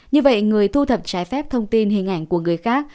như vậy người thu thập trái phép thông tin hình ảnh của người khác